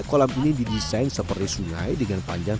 kolam ini didesain seperti sungai dengan panjang tiga ratus enam puluh tujuh m